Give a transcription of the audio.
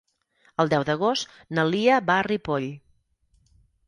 El deu d'agost na Lia va a Ripoll.